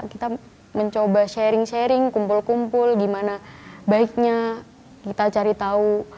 kita mencoba sharing sharing kumpul kumpul gimana baiknya kita cari tahu